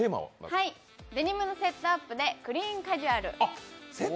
デニムのセットアップでクリーンカジュアル！